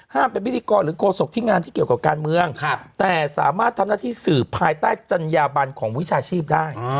เป็นพิธีกรหรือโฆษกที่งานที่เกี่ยวกับการเมืองแต่สามารถทำหน้าที่สื่อภายใต้จัญญาบันของวิชาชีพได้